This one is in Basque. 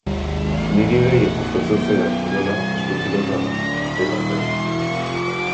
Niri gehien gustatzen zaidan kirola esku-pilota da eta zen.